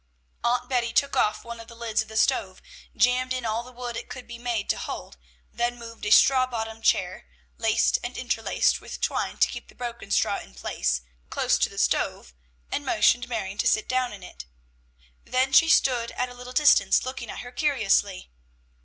Aunt Betty took off one of the lids of the stove, jammed in all the wood it could be made to hold, then moved a straw bottomed chair, laced and interlaced with twine to keep the broken straw in place, close to the stove, and motioned Marion to sit down in it. Then she stood at a little distance looking at her curiously.